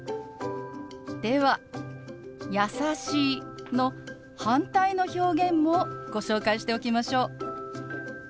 では「優しい」の反対の表現もご紹介しておきましょう。